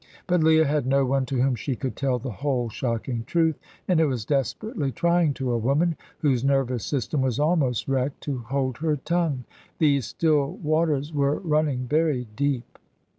But Leah had no one to whom she could tell the whole shocking truth, and it was desperately trying to a woman, whose nervous system was almost wrecked, to hold her tongue. These still waters were running very deep.